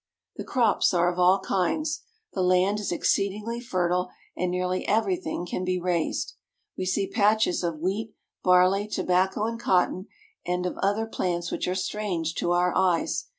The crops are of all kinds. The land is exceedingly fer tile, and nearly everything can be raised. We see patches of wheat, barley, tobacco, and cotton, and of other plants which are strange to our eyes.